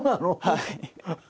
はい。